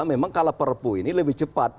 memang kalau perpu ini lebih cepat